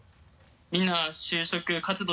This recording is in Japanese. みんな就職活動